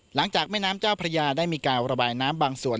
หลังจากแม่น้ำเจ้าพระยาได้มีการระบายน้ำบางส่วน